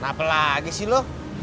nah apa lagi sih loh